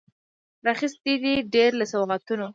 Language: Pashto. راخیستي یې دي، ډیر له سوغاتونو